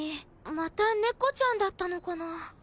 また猫ちゃんだったのかな？